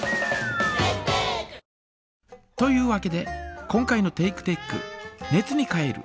というわけで今回のテイクテック「熱に変える」